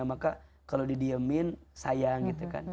maka kalau didiemin sayang gitu kan